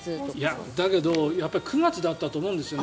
いや、だけど９月だったと思うんですよね